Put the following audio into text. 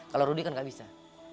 kalau rudy kan gak bisa